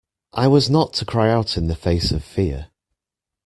I was not to cry out in the face of fear.